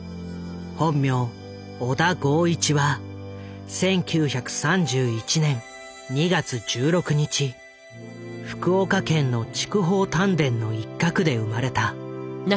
本名小田剛一は１９３１年２月１６日福岡県の筑豊炭田の一角で生まれた。